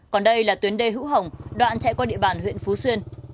còn đây là tuyến đê hữu hồng đoạn chạy qua địa bàn huyện phú xuyên